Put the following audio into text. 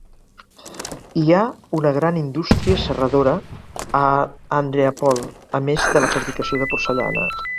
Hi ha una gran indústria serradora a Andreapol, a més de la fabricació de porcellana.